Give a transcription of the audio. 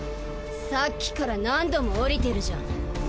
さっきから何度も下りてるじゃん。